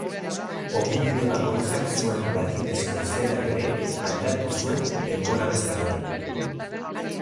Ogibide bakoitzak zuen latinezko izenak ere aldatu zuen denboran zehar.